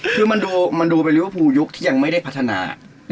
คือมันดูเป็นลิเวอร์ฟูลยุคที่ยังไม่ได้พัฒนา